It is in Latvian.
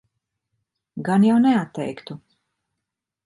Gan jau neatteiktu.